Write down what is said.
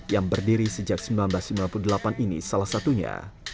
yang berdiri sejak seribu sembilan ratus sembilan puluh delapan ini salah satunya